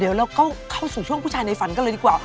เดี๋ยวเราเข้าสู่ช่วงผู้ชายในฝันกันเลยดีกว่า